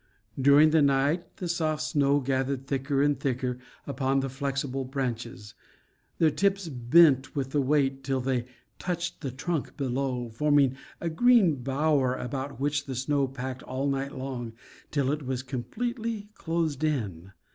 During the night the soft snow gathered thicker and thicker upon the flexible branches. Their tips bent with the weight till they touched the trunk below, forming a green bower, about which the snow packed all night long, till it was completely closed in.